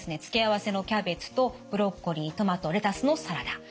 付け合わせのキャベツとブロッコリートマトレタスのサラダ。